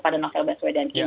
pada novel baswedan ini